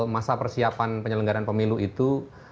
masa persiapan penyelenggaran pemilu itu